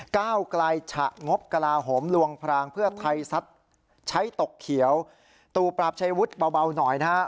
เก้ากลายฉะงบกลาหมลวงพรางเพื่อไทยสัตว์ใช้ตกเขียวตูปราบชายวุฒิเบาเบาหน่อยนะฮะ